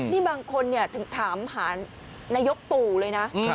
นี่บางคนถึงถามหานายกตู่เลยนะ